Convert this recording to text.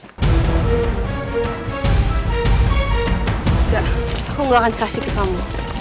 enggak aku gak akan kasih ke kamu